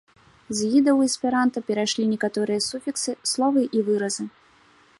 З іда ў эсперанта перайшлі некаторыя суфіксы, словы і выразы.